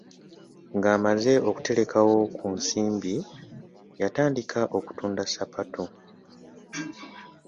Ng'amaze okuterekawo ku nsimbi, yatandika okutunda ssapatu.